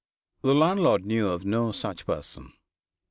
The landlord knew of no such person.